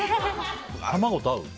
卵と合う？